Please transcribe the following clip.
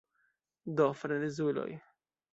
Do, frenezuloj.